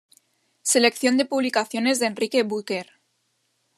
Selección de publicaciones de Enrique Bucherː